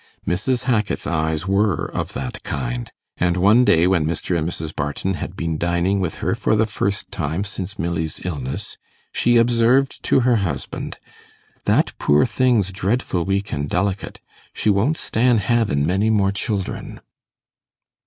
Mrs. Hackit's eyes were of that kind, and one day, when Mr. and Mrs. Barton had been dining with her for the first time since Milly's illness, she observed to her husband 'That poor thing's dreadful weak an' delicate; she won't stan' havin' many more children.